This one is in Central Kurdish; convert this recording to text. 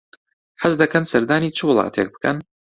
حەز دەکەن سەردانی چ وڵاتێک بکەن؟